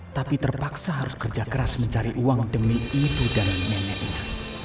tapi terpaksa harus kerja keras mencari uang demi ibu dan neneknya